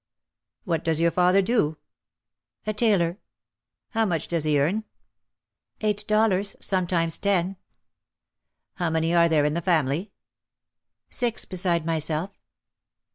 "What does your father do ?" "A tailor." " "How much does he earn ?" "Eight dollars, sometimes ten." "How many are there in the family ?" "Six beside myself."